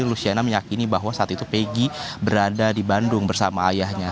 luciana meyakini bahwa saat itu peggy berada di bandung bersama ayahnya